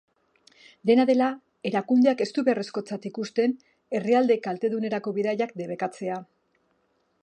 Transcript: Dena dela, erakundeak ez du beharrezkotzat ikusten herrialde kaltedunerako bidaiak debekatzea.